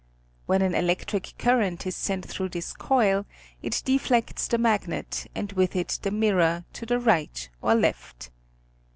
When an electric current is sent through this coil it deflects the magnet and with it the mirror to the right or left.